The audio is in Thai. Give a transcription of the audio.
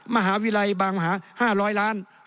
มหาวิรัยบางมหาวิรัย๕๐๐ล้าน